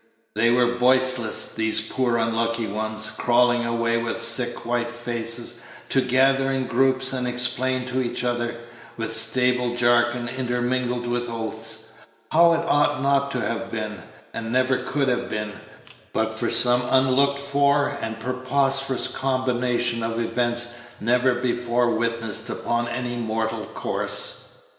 They were voiceless, these poor unlucky ones, crawling away with sick white faces, to gather in groups and explain to each other, with stable jargon intermingled with oaths, how it ought not to have been, and never could have been, but for some unlooked for and preposterous combination of events never before witnessed upon any mortal course.